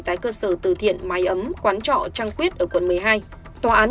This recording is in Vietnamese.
tại cơ sở từ thiện mai ấm quán trọ trăng quyết quận một mươi hai